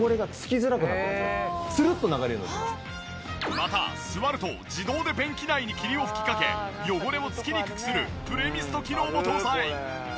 また座ると自動で便器内に霧を吹きかけ汚れを付きにくくするプレミスト機能も搭載。